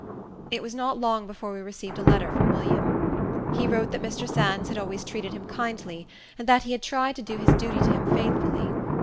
It was not long before we received a letter from William. He wrote that Mr. Sands had always treated him kindly, and that he had tried to do his duty to him faithfully.